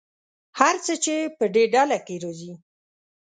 هر څه چې په دې ډله کې راځي.